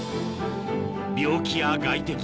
病気や外敵